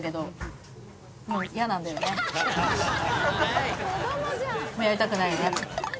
もうやりたくないよね。